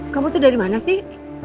kamu itu dari mana sih